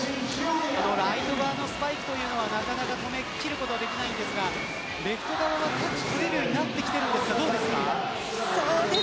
ライン側のスパイクはなかなか止め切ることができませんがレフト側はタッチ取れるようになってきているでしょうか。